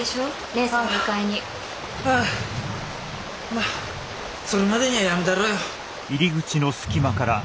まあそれまでにはやむだろうよ。